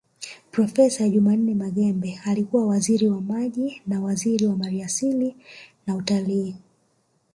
Profesa Jumanne Maghembe alikuwa Waziri wa Maji na waziri wa maliasili na utalii